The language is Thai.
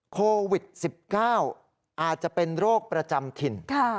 โควิด๑๙อาจจะเป็นโรคประจำถิ่น